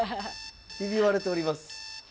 ひび割れております。